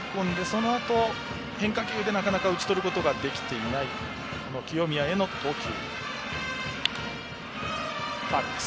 そのあと変化球でなかなか打ち取ることができていない清宮への投球。